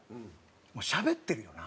もうしゃべってるよな。